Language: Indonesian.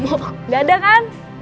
gak ada kan